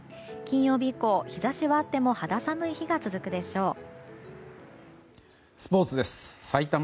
金曜日以降、日差しはあっても肌寒い日が続くでしょう。